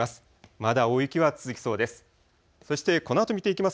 まだ大雪は続きそうです。